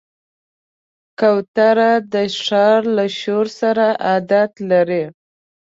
کوتره د ښار له شور سره عادت لري.